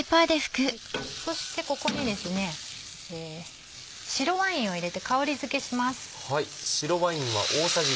そしてここに白ワインを入れて香りづけします。